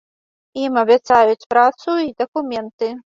Ім абяцаюць працу і дакументы.